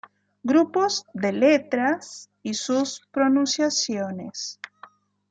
Grupos de letras y sus pronunciaciones.